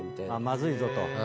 まずいぞと。